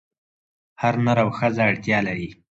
هر نر او ښځه اړتیا لري.